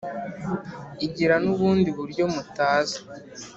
igira n' ubundi buryo mutazi,